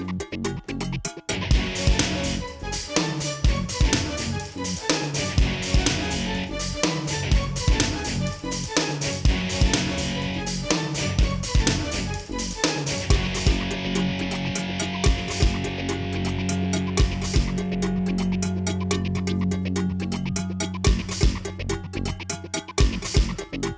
saya kesana sekarang